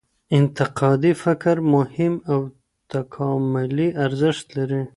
انتقادي فکر مهم او تکاملي ارزښت لري.